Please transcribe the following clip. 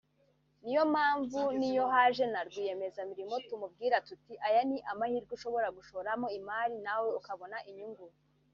niyo mpamvu niyo haje na rwiyemezamirimo tumubwira tuti aya ni amahirwe ushobora gushoramo imari nawe ukabona inyungu